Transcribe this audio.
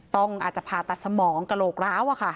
ต้องอาจจะผ่าตัดสมองกะโหลกร้าวอะค่ะ